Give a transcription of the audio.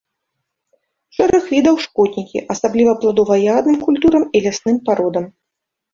Шэраг відаў шкоднікі, асабліва пладова-ягадным культурам і лясным пародам.